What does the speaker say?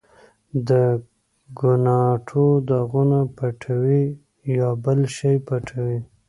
د ګناټو داغونه پټوې، یا بل شی پټوې؟